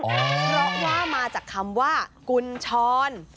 เพราะว่ามาจากคำว่ากุญชร